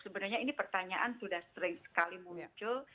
sebenarnya ini pertanyaan sudah sering sekali muncul